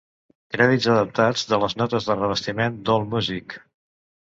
Crèdits adaptats de les notes de revestiment i d'Allmusic.